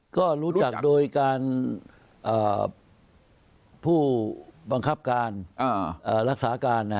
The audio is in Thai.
ก็รู้จักโดยการผู้บังคับการรักษาการ